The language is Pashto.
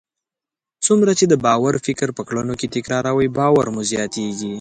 څومره چې د باور فکر په کړنو کې تکراروئ، باور مو زیاتیږي.